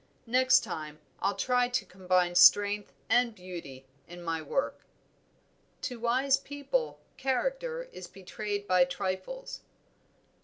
Next time I'll try to combine strength and beauty in my work." To wise people character is betrayed by trifles.